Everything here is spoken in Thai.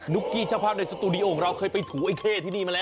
กี้เจ้าภาพในสตูดิโอของเราเคยไปถูไอ้เข้ที่นี่มาแล้ว